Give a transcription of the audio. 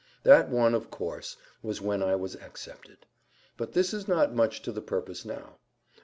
That one, of course, was when I was accepted. But this is not much to the purpose now.